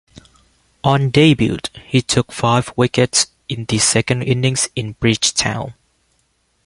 On debut, he took five wickets in the second innings in Bridgetown.